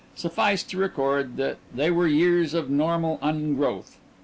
Suffice to record that they were years of normal ungrowth.